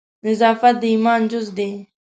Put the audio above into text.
نظافت د ایمان جزء دی.